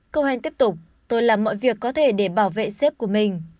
cohen tiếp tục tôi làm mọi việc có thể để bảo vệ xếp của mình